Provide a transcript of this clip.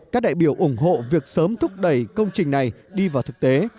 các đại biểu ủng hộ việc sớm thúc đẩy công trình này đi vào thực tế